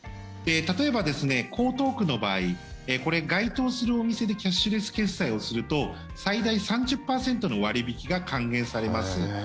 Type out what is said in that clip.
例えば江東区の場合該当するお店でキャッシュレス決済をすると最大３０％の割引が還元されます。